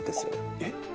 えっ？